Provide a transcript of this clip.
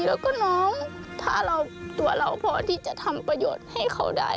แล้วก็น้องถ้าตัวเราพอที่จะทำประโยชน์ให้เขาได้